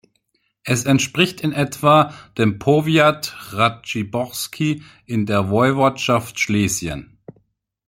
Es entspricht in etwa dem Powiat Raciborski in der Woiwodschaft Schlesien.